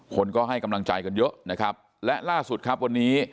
คนก็ให้กำลังใจกันเยอะนะครับและล่าสุดครับวันนี้